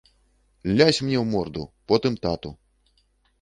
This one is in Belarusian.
Лясь мне ў морду, потым тату.